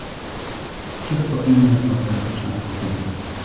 Wszystko inne to polityczna hipokryzja